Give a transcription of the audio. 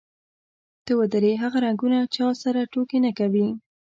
ته ودرې، هغه رنګونه چا سره ټوکې نه کوي.